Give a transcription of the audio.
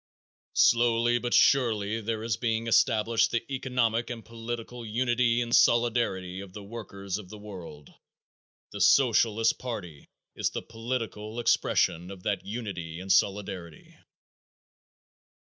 Slowly but surely there is being established the economic and political unity and solidarity of the workers of the world. The Socialist party is the political expression of that unity and solidarity.